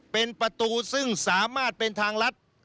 เป็นประตูซึ่งสามารถเป็นทางลัด